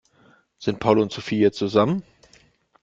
Sind Paul und Sophie jetzt zusammen?